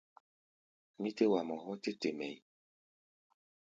Mí tɛ́ wa mɔ hɔ́ tɛ́ te mɛʼí̧.